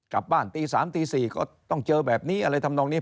กลับบ้านตี๓ตี๔ก็ต้องเจอแบบนี้อะไรทำนองนี้